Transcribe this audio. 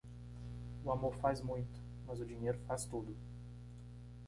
O amor faz muito, mas o dinheiro faz tudo.